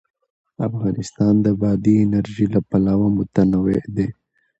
افغانستان د بادي انرژي له پلوه متنوع دی.